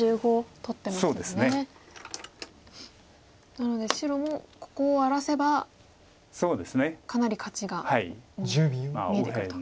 なので白もここを荒らせばかなり勝ちが見えてくると。